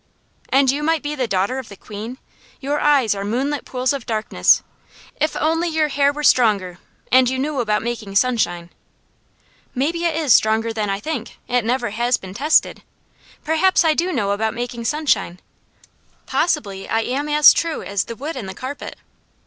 "And you might be the daughter of the Queen? Your eyes are 'moonlit pools of darkness.' If only your hair were stronger, and you knew about making sunshine!" "Maybe it is stronger than I think. It never has been tested. Perhaps I do know about making sunshine. Possibly I am as true as the wood and the carpet."